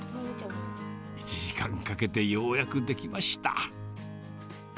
１時間かけてようやく出来ました。